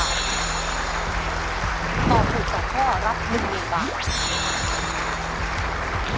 ตอบถูก๒ข้อรับ๑๐๐๐บาท